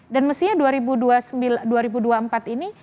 dan mestinya dua ribu dua puluh empat ini